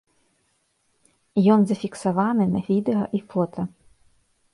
Ён зафіксаваны на відэа і фота.